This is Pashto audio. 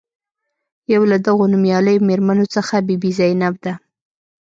یو له دغو نومیالیو میرمنو څخه بي بي زینب ده.